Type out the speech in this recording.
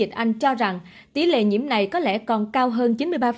tịch anh cho rằng tỷ lệ nhiễm này có lẽ còn cao hơn chín mươi ba